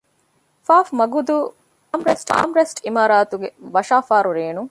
ފ. މަގޫދޫ ޕާމްރެސްޓް ޢިމާރާތުގެ ވަށާފާރު ރޭނުން